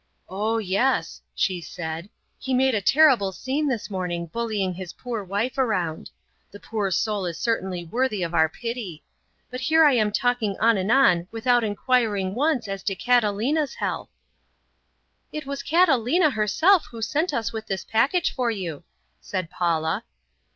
"Oh, yes," she said; "he made a terrible scene this morning bullying his poor wife around. The poor soul is certainly worthy of our pity. But here I am talking on and on without enquiring once as to Catalina's health." "It was Catalina herself who sent us with this package for you," said Paula.